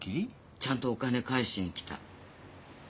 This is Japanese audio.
ちゃんとお金返しにきた。